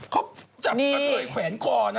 เขาจับเก่าไข่แขวนคว่านะ